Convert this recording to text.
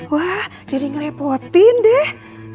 wah jadi ngerepotin deh